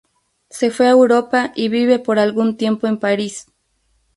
Se fue a Europa y vive por algún tiempo en París.